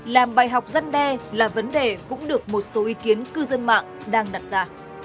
làm bài học dân đe là vấn đề cũng được một số ý kiến cư dân mạng đang đặt ra